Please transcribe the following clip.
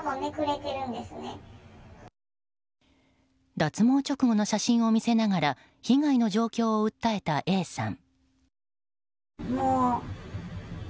脱毛直後の写真を見せながら被害の状況を訴えたＡさん。